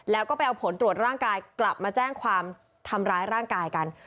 แล้วก็ไปเอาผลตรวจร่างกายกลับมาแจ้งความทำร้ายร่างกายกัน